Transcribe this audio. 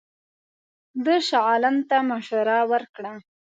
ده شاه عالم ته مشوره ورکړه.